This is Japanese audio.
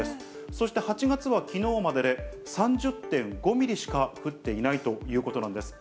そして８月はきのうまでで３０．５ミリしか降っていないということなんです。